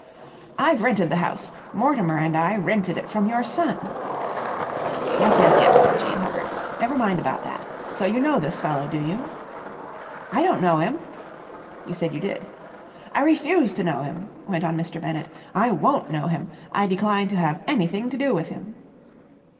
"I've rented the house, Mortimer and I rented it from your son...." "Yes, yes, yes," said Jane Hubbard. "Never mind about that. So you know this fellow, do you?" "I don't know him!" "You said you did." "I refuse to know him!" went on Mr. Bennett. "I won't know him! I decline to have anything to do with him!"